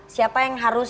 siapa yang harus